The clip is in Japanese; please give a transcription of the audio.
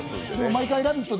毎回「ラヴィット！」